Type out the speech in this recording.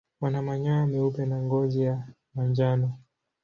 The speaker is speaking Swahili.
Wana manyoya meupe na ngozi ya manjano.